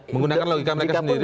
menggunakan logika mereka sendiri